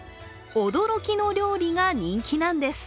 驚きの料理が人気なんです。